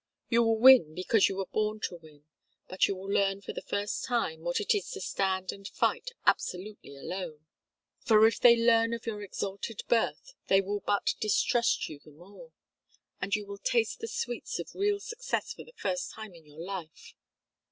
You will win because you were born to win, but you will learn for the first time what it is to stand and fight absolutely alone for if they learn of your exalted birth they will but distrust you the more; and you will taste the sweets of real success for the first time in your life.